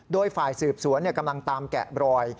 โดยฝ่ายสืบสวนกำลังตามแกะบรอย